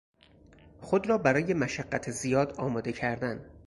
خود را برای مشقت زیاد آماده کردن